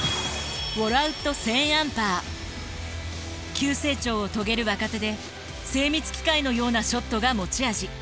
急成長を遂げる若手で精密機械のようなショットが持ち味。